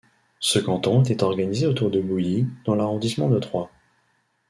Ce canton était organisé autour de Bouilly, dans l'arrondissement de Troyes.